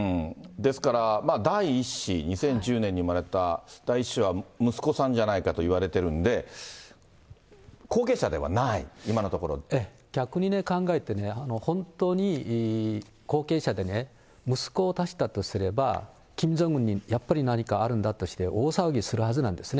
ですから、第１子、２０１０年に産まれた第１子は息子さんじゃないかと言われてるんで、後継者ではない、逆に考えてね、本当に後継者でね、息子を出したとすれば、キム・ジョンウンにやっぱり何かあるんだとして大騒ぎするはずなんですね。